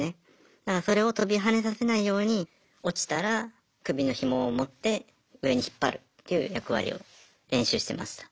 だからそれを跳びはねさせないように落ちたら首のひもを持って上に引っ張るっていう役割を練習してました。